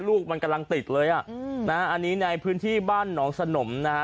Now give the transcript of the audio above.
ลูกมันกำลังติดเลยอ่ะอืมนะฮะอันนี้ในพื้นที่บ้านหนองสนมนะฮะ